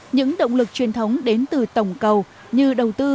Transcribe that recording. những động lực truyền thống đến từ tổng cầu như đầu tư